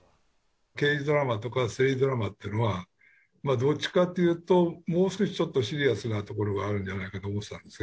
刑事ドラマとか推理ドラマってのはどっちかというともう少しちょっとシリアスなところがあるんじゃないかと思ってたんですが。